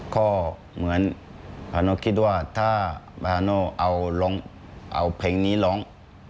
ก็เหมือนพระธานโฌคิดว่าถ้าพระธานโฌเอาเพลงนี้ร้อง